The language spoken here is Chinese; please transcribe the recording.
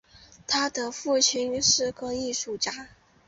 他的父亲是个艺术家。